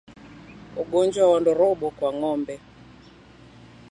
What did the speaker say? Ugonjwa wa Ndorobo kwa ngombe